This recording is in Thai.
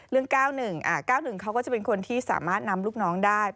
เรื่อง๙๑๑ก็จะเป็นคนที่สามารถนำลูกน้องได้